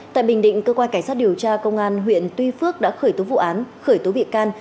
tại bình định cơ quan cảnh sát điều tra công an huyện tuy phước đã khởi tố vụ án khởi tố bị can